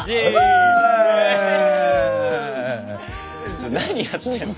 ちょっ何やってんの？